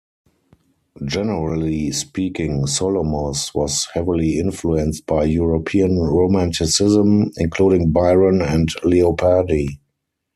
Generally speaking, Solomos was heavily influenced by European romanticism, including Byron and Leopardi.